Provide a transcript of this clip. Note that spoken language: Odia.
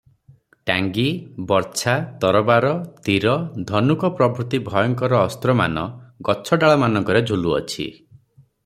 ଟାଙ୍ଗି, ବର୍ଚ୍ଛା, ତରବାର, ତୀର, ଧନୁକ ପ୍ରଭୃତି ଭୟଙ୍କର ଅସ୍ତ୍ରମାନ ଗଛଡାଳମାନଙ୍କରେ ଝୁଲୁଅଛି ।